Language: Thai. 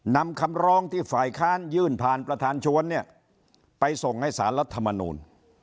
นำคำร้องที่ฝ่ายค้านยื่นผ่านประธานชวนเนี่ยไปส่งให้สารรัฐมนูล